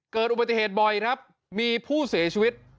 เกิดอุบัติเหตุบ่อยครับมีผู้เสียชีวิต